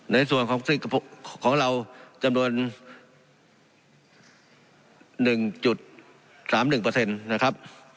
ในส่วนของเราจำนวน๑๓๑เปอร์เซ็นต์นะครับ